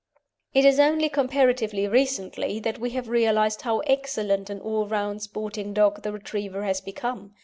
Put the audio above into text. It is only comparatively recently that we have realised how excellent an all around sporting dog the Retriever has become.